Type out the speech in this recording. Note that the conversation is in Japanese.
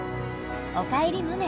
「おかえりモネ」